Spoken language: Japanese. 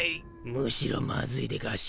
むしろまずいでガシ。